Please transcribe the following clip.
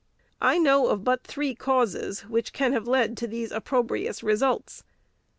I know of but three causes which can have led to these opprobrious results.